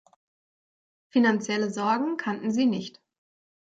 Finanzielle Sorgen kannten sie nicht.